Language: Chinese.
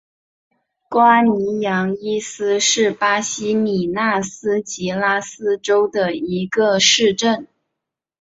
瓜尼扬伊斯是巴西米纳斯吉拉斯州的一个市镇。